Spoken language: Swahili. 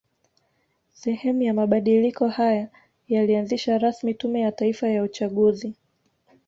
Sehemu ya mabadiliko haya yalianzisha rasmi Tume ya Taifa ya Uchaguzi